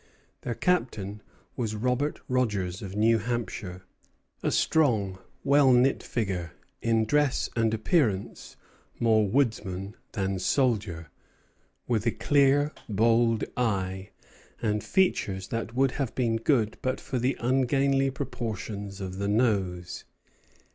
Their captain was Robert Rogers, of New Hampshire, a strong, well knit figure, in dress and appearance more woodsman than soldier, with a clear, bold eye, and features that would have been good but for the ungainly proportions of the nose.